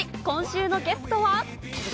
今週のゲストは？